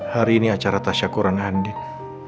hari ini acara tasya kuran andin